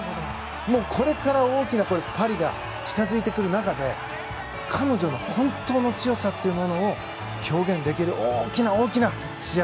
これから大きなパリが近づいてくる中で彼女の本当の強さというものを表現できる大きな大きな試合。